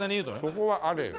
そこはあれよ。